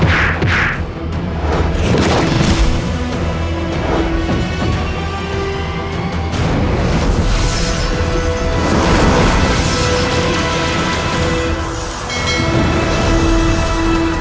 aku bukan saudaramu